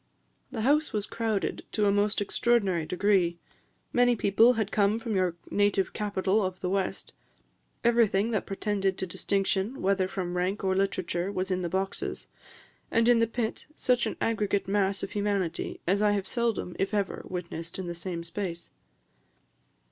The house was crowded to a most extraordinary degree; many people had come from your native capital of the west; everything that pretended to distinction, whether from rank or literature, was in the boxes; and in the pit, such an aggregate mass of humanity as I have seldom, if ever, witnessed in the same space."